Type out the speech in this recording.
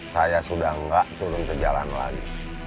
saya sudah nggak turun ke jalan lagi